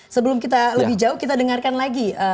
sebelum kita lebih jauh kita dengarkan lagi